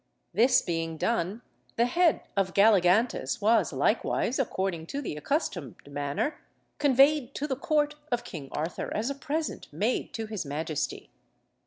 This being done, the head of Galligantus was likewise, according to the accustomed manner, conveyed to the court of King Arthur, as a present made to his majesty.